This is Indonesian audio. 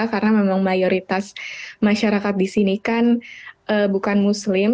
karena memang mayoritas masyarakat di sini kan bukan muslim